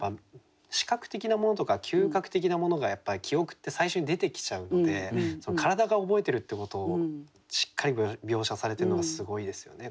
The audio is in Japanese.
視覚的なものとか嗅覚的なものがやっぱり記憶って最初に出てきちゃうので体が覚えてるっていうことをしっかり描写されてるのがすごいですよね